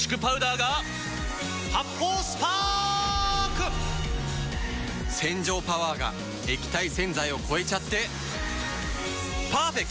発泡スパーク‼洗浄パワーが液体洗剤を超えちゃってパーフェクト！